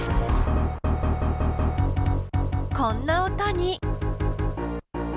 こんな音に。